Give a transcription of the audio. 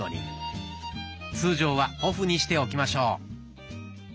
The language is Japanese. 通常はオフにしておきましょう。